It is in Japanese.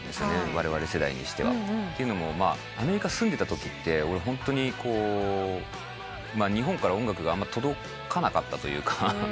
われわれ世代にしては。というのもアメリカ住んでたときってホントに日本から音楽があんま届かなかったというか。